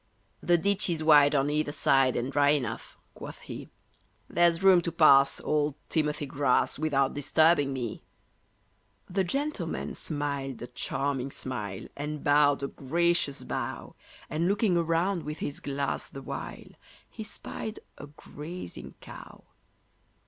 "The ditch is wide on either side, And dry enough," quoth he; "There's room to pass, old Timothy grass, Without disturbing me." The gentleman smiled a charming smile, And bowed a gracious bow; And looking around with his glass the while, He spied a grazing cow.